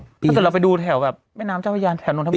ถ้าเกิดเราไปดูแถวแม่น้ำเจ้าอุญญาณแถวโน้นทะพุนิ